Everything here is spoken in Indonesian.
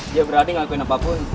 dia berani ngelakuin apapun